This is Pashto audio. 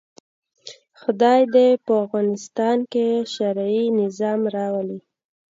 خدای دې په افغانستان کې شرعي نظام راولي.